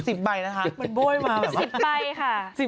มันบ่อยมามาก